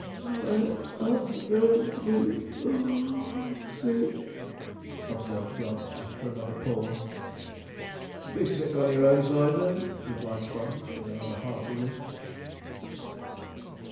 'I am going to be (puff) sick,' observed Jog, after another pause. 'Be sick on your own side, then,' replied Sponge, with another hearty whiff.